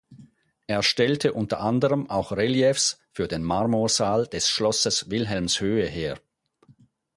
Er stellte unter anderem auch Reliefs für den Marmorsaal des Schlosses Wilhelmshöhe her.